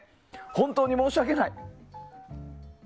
本当に申し訳ない。